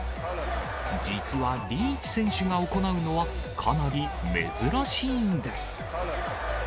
実はリーチ選手が行うのは、かなり珍しいんです。